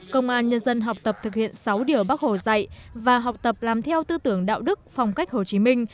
công an nhân dân học tập thực hiện sáu điều bác hồ dạy và học tập làm theo tư tưởng đạo đức phong cách hồ chí minh